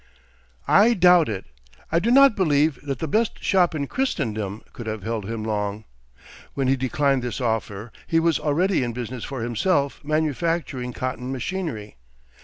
I doubt it. I do not believe that the best shop in Christendom could have held him long. When he declined this offer he was already in business for himself manufacturing cotton machinery.